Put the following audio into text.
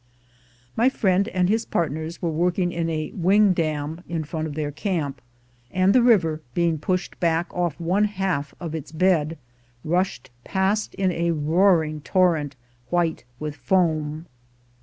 My friend and his partners were working in a "wing dam" in front of their camp, and the river, being pushed back oi^ one half of its bed, rushed past in a roaring torrent, white with foam.